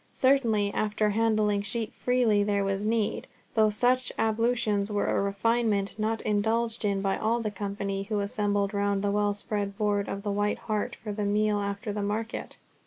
Certainly after handling sheep freely there was need, though such ablutions were a refinement not indulged in by all the company who assembled round the well spread board of the White Hart for the meal after the market.